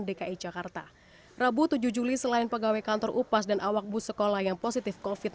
dki jakarta rabu tujuh juli selain pegawai kantor upas dan awak bus sekolah yang positif kofit